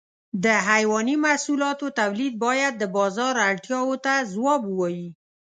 د حيواني محصولاتو تولید باید د بازار اړتیاو ته ځواب ووایي.